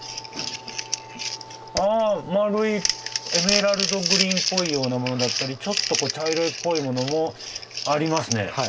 あ丸いエメラルドグリーンっぽいようなものだったりちょっと茶色っぽいものもありますね。